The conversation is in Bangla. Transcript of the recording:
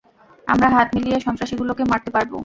আমরা হাত মিলিয়ে সন্ত্রাসীগুলোকে মারতে পারব।